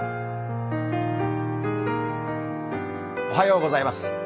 おはようございます。